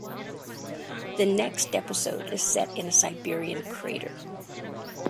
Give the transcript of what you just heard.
The next episode is set in a Siberian crater.